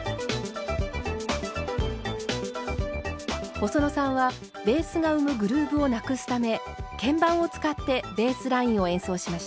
細野さんはベースが生むグルーブをなくすため鍵盤を使ってベースラインを演奏しました。